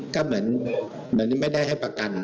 ก็เหมือนไม่ได้ให้ประกัน